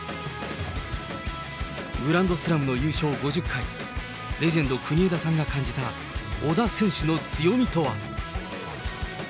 グランドスラムの優勝５０回、レジェンド、国枝さんが感じた小田選手の強みとは。